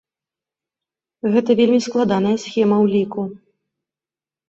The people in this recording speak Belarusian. Гэта вельмі складаная схема ўліку.